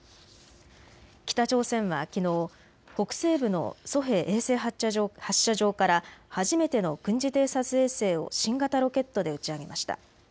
北朝鮮はきのう北西部のソヘ衛星発射場から初めての軍事偵察衛星を新型ロケットで打ち上げました。